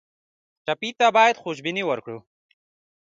ټپي ته باید خوشبیني ورکړو.